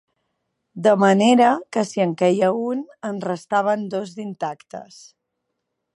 De manera que si en queia un, en restaven dos d’intactes.